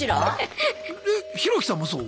ヒロキさんもそう？